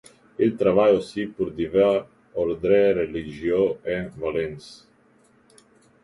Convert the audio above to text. Il travaille aussi pour divers ordres religieux de Valence.